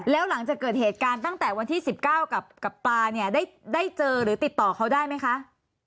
แล้วหลังจากเกิดเหตุการณ์ตั้งแต่วันที่๑๙กับปลาเนี่ยได้เจอหรือติดต่อเขาได้ไหมคะ